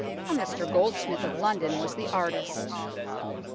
A Mr Gold smith, of London, was the artist.